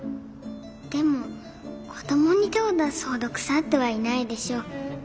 でも子どもに手を出すほど腐ってはいないでしょう。